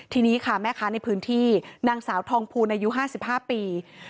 ทีนี้ค่ะแม่ค้าในพื้นที่นางสาวทองภูลอายุ๕๕ปี